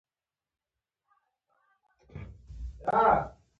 سارې نن ډېره ښکلې غاړه اچولې ده.